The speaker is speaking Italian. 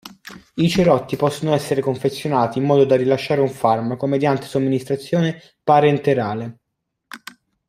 I cerotti possono essere confezionati in modo da rilasciare un farmaco mediante somministrazione parenterale.